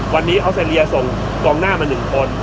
วันนี้ออสเตรเลียส่งกองหน้ามา๑คน